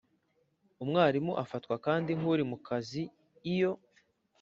Umwarimu afatwa kandi nk uri mu kazi iyo